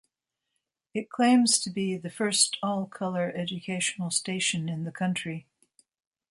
It claims to be the first all-color educational station in the country.